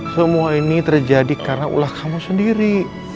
semua ini terjadi karena ulah kamu sendiri